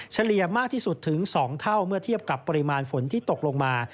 เฉลี่ยมากที่สุดถึง๒เท่าเมื่อเทียบกับปริมาณฝนที่ตกลงมา